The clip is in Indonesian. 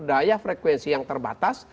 daya frekuensi yang terbatas